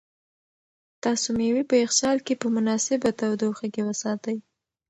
تاسو مېوې په یخچال کې په مناسبه تودوخه کې وساتئ.